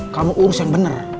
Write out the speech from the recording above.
kamu urus yang bener